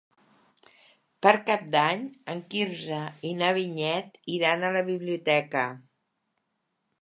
Per Cap d'Any en Quirze i na Vinyet iran a la biblioteca.